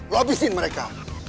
lo abisin mereka